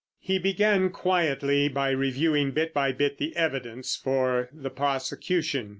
He began quietly by reviewing bit by bit the evidence for the prosecution.